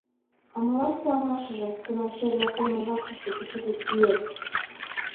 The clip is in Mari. — А молан куанашыже, кунам черле семын вакшыште кечыгут киет?